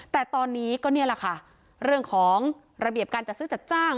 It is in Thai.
แต่ตอนนี้ก็นี่แหละค่ะเรื่องของระเบียบการจัดซื้อจัดจ้าง